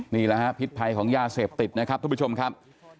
นี่แหละฮะพิษภัยของยาเสพติดนะครับทุกผู้ชมครับ